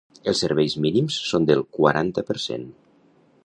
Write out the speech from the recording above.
Els serveis mínims són del quaranta per cent.